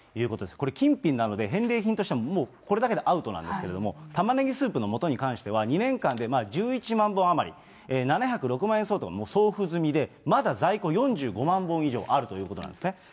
これ金品なので、返礼品としては、もうこれだけでアウトなんですけれども、タマネギスープのもとに関しては、２年間で１１万本余り、７０６万円相当、もう送付済みで、まだ在庫４５万本以上あるということなんですね。